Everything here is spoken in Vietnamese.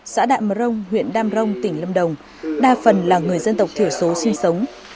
xã đạm rông huyện đạm rông tỉnh lâm đồng đa phần là người dân tộc thiểu số sinh sống